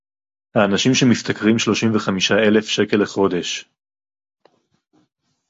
האנשים שמשתכרים שלושים וחמישה אלף שקל לחודש